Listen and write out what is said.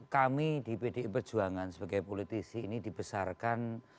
kami di pdi perjuangan sebagai politisi ini dibesarkan